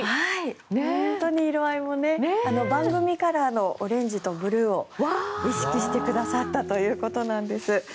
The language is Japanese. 本当に色合いも番組カラーのオレンジとブルーを意識してくださったということなんです。